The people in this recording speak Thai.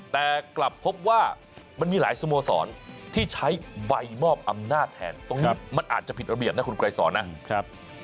แต่กลับพบว่ามันมีหลายสโมสรที่ใช้ใบมอบอำนาจแทนตรงนี้มันอาจจะผิดระเบียบนะคุณไกรสอนนะ